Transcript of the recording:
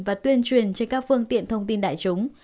và tuyên truyền trên các phương tiện thông tin đại chúng